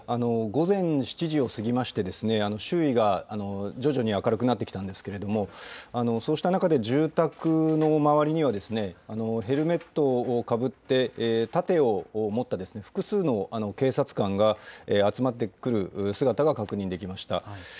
午前７時を過ぎまして、周囲が徐々に明るくなってきたんですけれども、そうした中で住宅の周りには、ヘルメットをかぶって、盾を持った複数の警察官が集まってくる姿が確認できました。